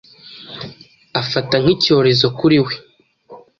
afata nk’icyorezo kuri we.